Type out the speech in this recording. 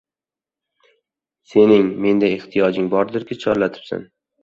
— Sening menda ehtiyojing bordirki, chorlatibsan.